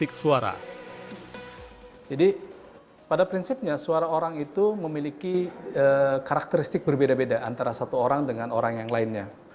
pada prinsipnya suara orang itu memiliki karakteristik berbeda beda antara satu orang dengan orang yang lainnya